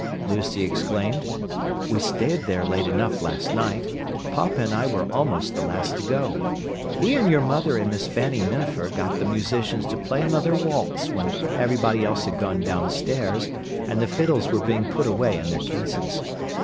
Lucy exclaimed. "We stayed there late enough last night: papa and I were almost the last to go. He and your mother and Miss Fanny Minafer got the musicians to play another waltz when everybody else had gone downstairs and the fiddles were being put away in their cases.